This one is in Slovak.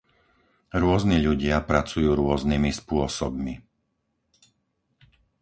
Rôzni ľudia pracujú rôznymi spôsobmi.